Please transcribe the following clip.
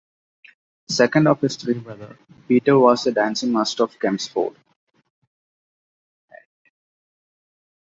The second of his three brothers, Peter, was a dancing master of Chelmsford.